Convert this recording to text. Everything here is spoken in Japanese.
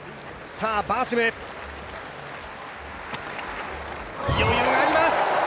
バーシム、余裕があります。